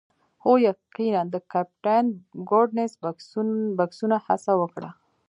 هو یقیناً د کیپټن ګوډنس بکسونه هڅه وکړه